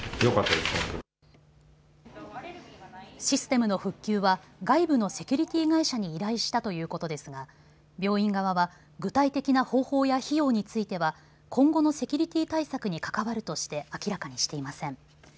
システムの復旧は外部のセキュリティー会社に依頼したということですが病院側は具体的な方法や費用については今後のセキュリティー対策に関わるとして明らかにしていません。